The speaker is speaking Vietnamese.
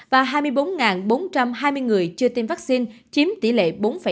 và hai mươi bốn bốn trăm hai mươi người chưa tiêm vắc xin chiếm tỷ lệ bốn hai